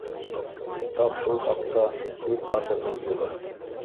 Тап шул хаҡта һүҙ барҙы был юлы.